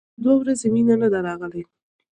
چې دا دوه ورځې مينه نه ده راغلې.